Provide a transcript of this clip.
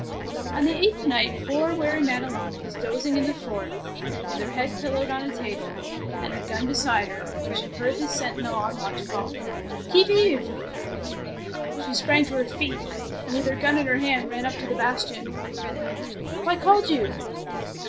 On the eighth night poor weary Madelon was dozing in the fort, with her head pillowed on a table, and her gun beside her, when she heard the sentinel on watch call, —" Qui vive ?" She sprang to her feet, and with her gun in her hand ran up on to the bastion. Why called you